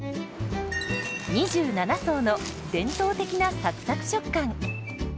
２７層の伝統的なサクサク食感。